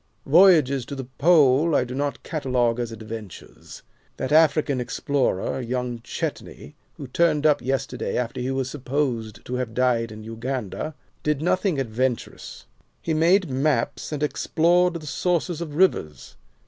Voyages to the pole I do not catalogue as adventures. That African explorer, young Chetney, who turned up yesterday after he was supposed to have died in Uganda, did nothing adventurous. He made maps and explored the sources of rivers.